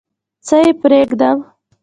څه یې پرېږدم؟